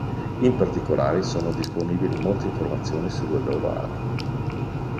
In particolare, sono disponibili molte informazioni sulle loro armi.